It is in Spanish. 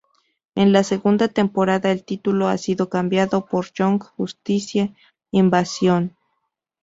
En la segunda temporada el título ha sido cambiado por Young Justice: Invasion.